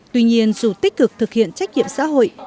tuy nhiên dù tích cực thực hiện trách nhiệm xã hội